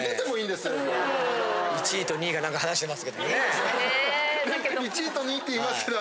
１位と２位がなんか話してますけどもね。